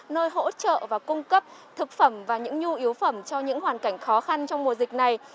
nơi hỗ trợ và cung cấp thực phẩm và những nhu yếu phẩm cho những hoàn cảnh khó khăn trong mùa dịch này